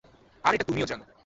আর এটা তুমিও জানো।